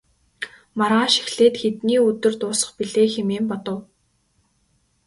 Маргааш эхлээд хэдний өдөр дуусах билээ хэмээн бодов.